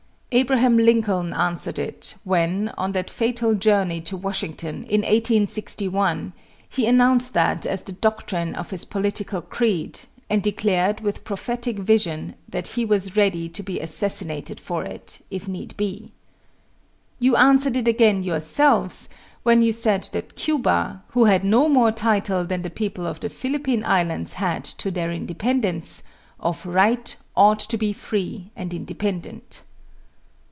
Abraham Lincoln answered it when, on that fatal journey to Washington in 1861, he announced that as the doctrine of his political creed, and declared, with prophetic vision, that he was ready to be assassinated for it if need be. You answered it again yourselves when you said that Cuba, who had no more title than the people of the Philippine Islands had to their independence, of right ought to be free and independent.